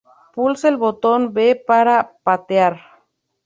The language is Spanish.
Pulse el botón B para patear.